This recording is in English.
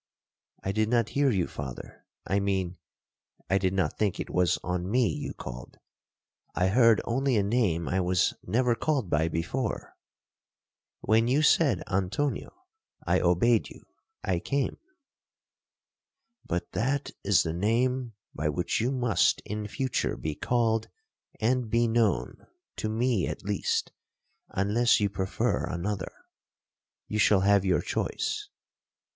'—'I did not hear you, father—I mean, I did not think it was on me you called. I heard only a name I was never called by before. When you said 'Antonio,' I obeyed you—I came.'—'But that is the name by which you must in future be called and be known, to me at least, unless you prefer another.—You shall have your choice.'